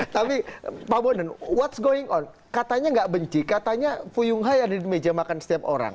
tapi pak bondan what's going on katanya gak benci katanya fuyung hai ada di meja makan setiap orang